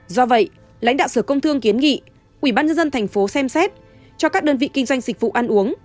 do vậy lãnh đạo sở công thương kiến nghị quỹ ban nhân dân thành phố xem xét cho các đơn vị kinh doanh dịch vụ ăn uống